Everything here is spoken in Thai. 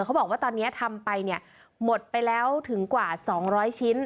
เขาบอกว่าตอนนี้ทำไปเนี่ยหมดไปแล้วถึงกว่า๒๐๐ชิ้น